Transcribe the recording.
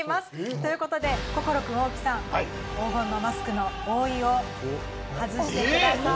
ということで心くん大木さん黄金のマスクの覆いを外してください。